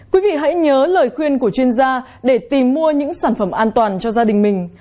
quý vị hãy nhớ lời khuyên của chuyên gia để tìm mua những sản phẩm an toàn cho gia đình mình